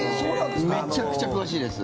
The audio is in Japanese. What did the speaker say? めちゃくちゃ詳しいです。